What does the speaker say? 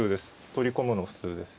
取り込むの普通です。